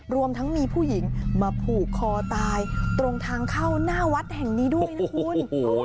รวมทั้งมีผู้หญิงมาผูกคอตายตรงทางเข้าหน้าวัดแห่งนี้ด้วยนะคุณ